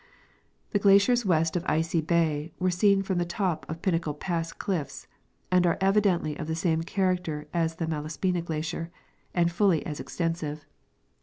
The glaciers west of Icy bay were seen from the top of Pin nacle pass cliffs, and are evidently of the same character as the Malaspina glacier and fully as extensive.